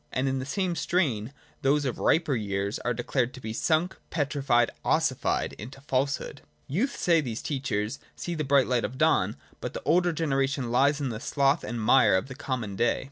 And in the same strain, those of riper years are declared to be sunk, petrified, ossified in falsehood. Youth, say these teachers, sees the bright light of dawn : but the older generation lies in the slough and mire of the common day.